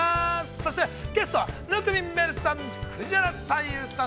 そしてゲストは、生見愛瑠さん、藤原大祐さん。